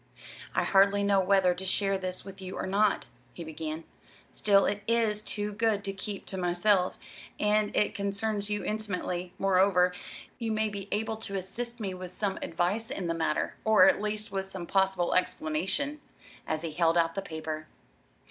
"I hardly know whether to share this with you or not," he began; "still, it is too good to keep to myself, and it concerns you intimately; moreover, you may be able to assist me with some advice in the matter, or at least with some possible explanation." And he held out the paper.